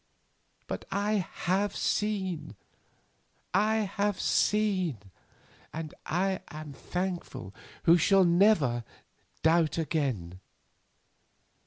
But I have seen! I have seen, and I am thankful, who shall never doubt again.